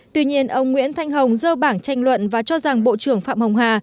tuy nhiên ông nguyễn thanh hồng dơ bảng tranh luận và cho rằng bộ trưởng phạm hồng hà